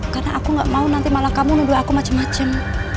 karena aku gak mau nanti malah kamu nuduh aku macem macem